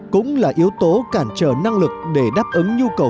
cũng là yếu tố cản trở năng lực để đáp ứng nhu cầu